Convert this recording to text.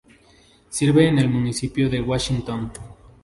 Sirve el Municipio de Washington.